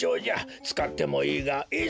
つかってもいいがえい